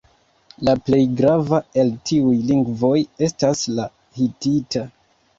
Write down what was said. La plej grava el tiuj lingvoj estas la hitita.